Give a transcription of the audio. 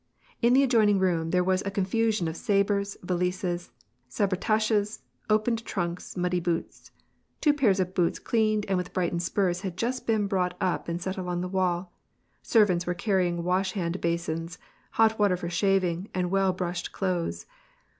In the adjoining room there was a confusion of sabres, valises, sabretasches, opened trunks, muddy boots. Two pain of boots cleaned and with brightened spurs had just been brought up and set along the wall. Servants were carrying wash hand basins, hot water for shaving, and well brushed clothes.